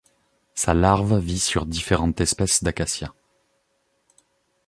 Sa larve vit sur différentes espèces d'acacias.